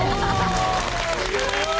すごい！